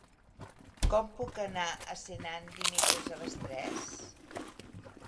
Com puc anar a Senan dimecres a les tres?